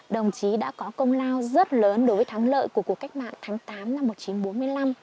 đồng chí đã có công lao rất lớn đối với thắng lợi của cuộc cách mạng tháng tám năm một nghìn chín trăm bốn mươi năm